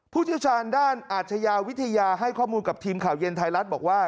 ผู้เชี่ยวชาญด้านอาชญาวิทยาให้ข้อมูลกับทีมข่าวเย็นไทยรัฐบอกว่า